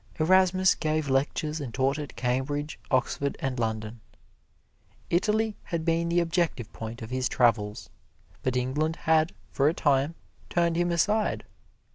Erasmus gave lectures and taught at Cambridge, Oxford and London. Italy had been the objective point of his travels, but England had, for a time, turned him aside.